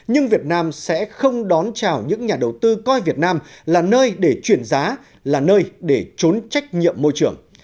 nhưng việt nam sẽ không đón chào những nhà đầu tư coi việt nam là nơi để chuyển giá là nơi để trốn trách nhiệm môi trường